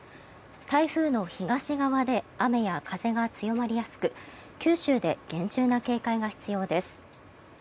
台風の東側で雨や風が強まりやすく九州で厳重な警戒が必要です。